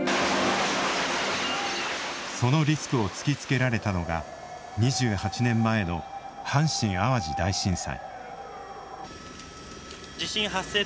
そのリスクを突きつけられたのが２８年前の阪神・淡路大震災。